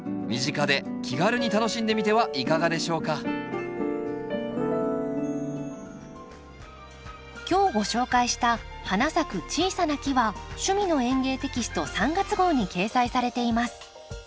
身近で気軽に楽しんでみてはいかがでしょうか今日ご紹介した「花咲く小さな木」は「趣味の園芸」テキスト３月号に掲載されています。